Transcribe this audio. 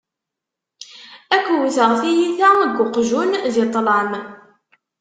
Ad k-wwteɣ tyita n uqjun di ṭṭlam!